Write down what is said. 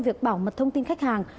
việc bảo mật thông tin khách hàng